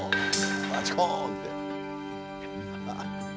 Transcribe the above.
バチコンいうて。